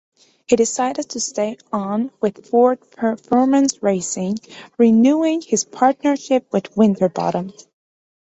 He decided to stay on with Ford Performance Racing, renewing his partnership with Winterbottom.